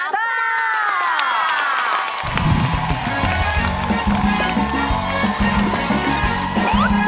เพลง